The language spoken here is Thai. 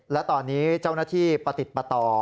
และตอนนี้เจ้าหน้าที่ประติดประต่อ